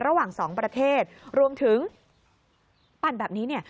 ระหว่างสองประเทศรวมถึงปั่นแบบนี้เนี่ย